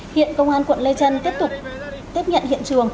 hiện công an quận lê trân tiếp nhận hiện trường